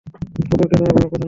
কুকুর তোমাকে অনেক পছন্দ করে।